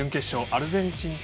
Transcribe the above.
アルゼンチン対